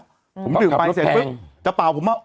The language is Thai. จะเป่าจะเป่าผมจะออก